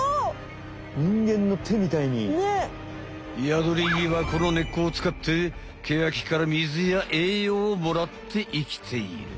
ヤドリギはこの根っこをつかってケヤキから水や栄養をもらって生きている。